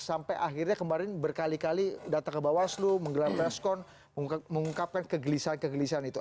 sampai akhirnya kemarin berkali kali datang ke bawaslu menggelar preskon mengungkapkan kegelisahan kegelisahan itu